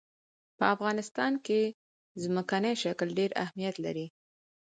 په افغانستان کې ځمکنی شکل ډېر اهمیت لري.